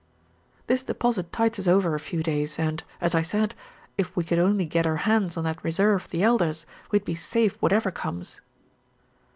"This deposit tides us over a few days, and, as I said, if we could only get our hands on that reserve of the Elder's, we'd be safe whatever comes."